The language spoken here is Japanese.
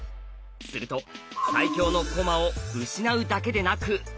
すると最強の駒を失うだけでなく。